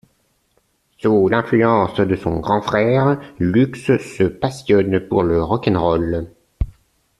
Sous l'influence de son grand frère, Lux se passionne pour le rock' n roll.